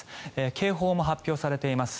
警報も発表されています。